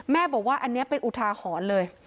บอกว่าอันนี้เป็นอุทาหรณ์เลย